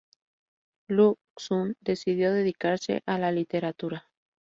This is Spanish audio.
Lu Xun decidió dedicarse a la literatura.